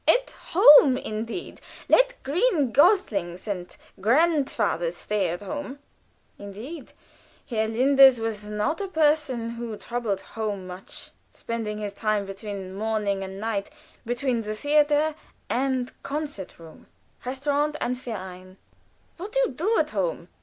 At home, indeed! Let green goslings and grandfathers stay at home." Indeed, Herr Linders was not a person who troubled home much; spending his time between morning and night between the theater and concert room, restauration and verein. "What do you do at home?"